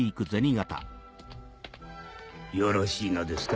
よろしいのですか？